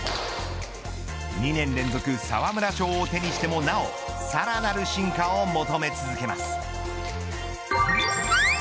２年連続沢村賞を手にしてもなおさらなる進化を求め続けます。